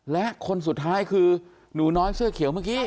และคนสุดท้ายคือหนูน้อยเสื้อเขียวเมื่อกี้